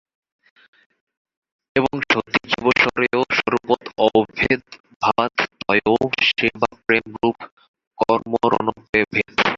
এবং সতি জীবেশ্বরয়ো স্বরূপত অভেদভাবাৎ তয়ো সেবাপ্রেমরূপকর্মণোরভেদঃ।